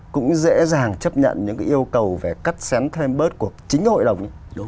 cũng dễ dàng chấp nhận những yêu cầu về cắt xén thêm bớt của chính hội đồng